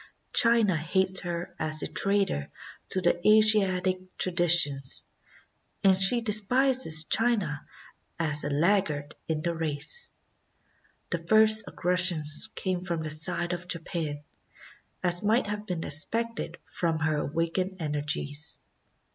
China hates her as a traitor to Asiatic tra ditions, and she despises China as a laggard in the race. The first aggressions came from the side of Japan, as might have been expected from her awakened energies.